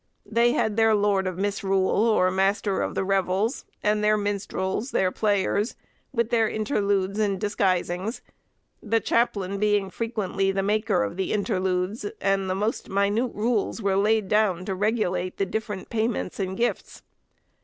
They had their lord of Misrule, or master of the revels, and their minstrels, their players, with their interludes and disguisings; the chaplain being frequently the maker of the interludes; and most minute rules were laid down to regulate the different payments and gifts.